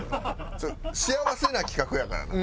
幸せな企画やからな。